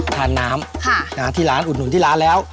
ทานน้ำที่ร้านอุดหนุนที่ร้านแล้ว